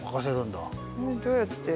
どうやって？